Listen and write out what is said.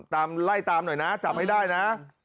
ไล่ตามหน่อยนะจับให้ได้นะ